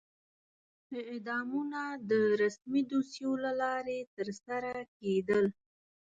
اعدامونه د رسمي دوسیو له لارې ترسره کېدل.